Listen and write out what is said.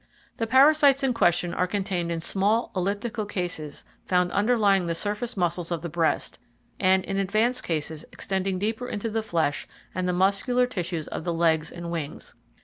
The parasites in question are contained in small elliptical cases found underlying the surface muscles of the breast, and in advanced cases extending deeper into the flesh and the muscular tissues of the legs and wings.